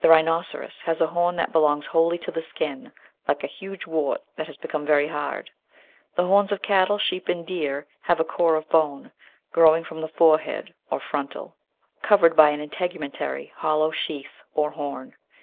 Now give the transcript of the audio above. The Rhinoceros has a horn that belongs wholly to the skin — like a huge wart that has become very hard. The horns of cattle, sheep, and deer have a core of bone (growing from the forehead or frontal) covered by an integiraientary hollow sheath of horn.